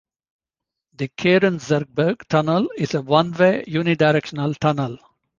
The Kerenzerberg Tunnel is a one-way, unidirectional tunnel.